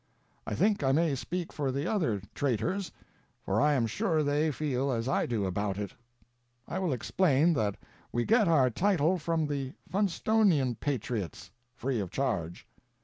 I think 1 may speak for the other Traitors, for I am sure they feel as I do about it. I will explain that we get our title from the Funstonian Patriots — free of charge.